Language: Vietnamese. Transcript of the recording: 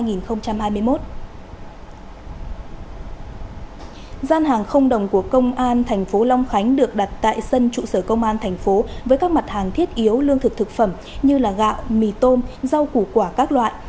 gian hàng không đồng của công an tp long khánh được đặt tại sân trụ sở công an tp với các mặt hàng thiết yếu lương thực thực phẩm như gạo mì tôm rau củ quả các loại